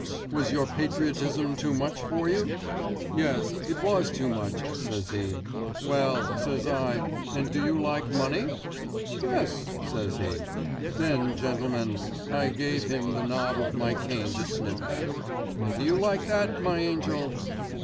Was your patriotism too much for you?" "Yes, it was too much," says he. "Well," says I, "and do you like money?" "Yes," says he. Then, gentlemen, I gave him the knob of my cane to sniff at. "And do you like that, my angel?"